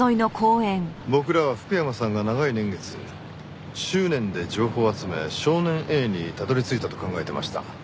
僕らは福山さんが長い年月執念で情報を集め少年Ａにたどり着いたと考えていました。